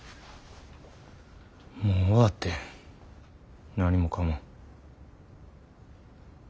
もう終わってん何もかも。